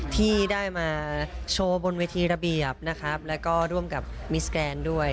ที่ได้มาโชว์บนเวทีระเบียบและก็ร่วมกับมิสแกนด้วย